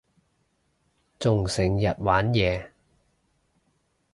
仲成日玩嘢